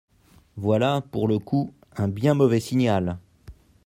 Voilà, pour le coup, un bien mauvais signal.